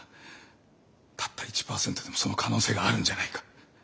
たった１％でもその可能性があるんじゃないか。